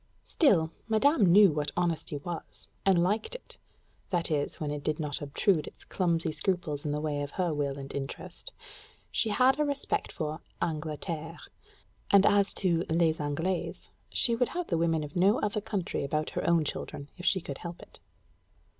Still, madame knew what honesty was, and liked it that is, when it did not obtrude its clumsy scruples in the way of her will and interest. She had a respect for "Angleterre"; and as to "les Anglaises," she would have the women of no other country about her own children, if she could help it.